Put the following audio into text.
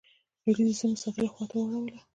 لوېدیځو سیمو ساتلو خواته واړوله.